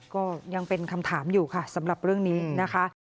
ก็ยังเป็นคำถามอยู่ค่ะสำหรับเรื่องนี้นะคะ